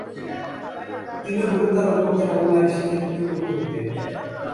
তিনি গুরুত্বারোপ করতেন এবং নারী শিক্ষার প্রতি গুরুত্ব দিতেন।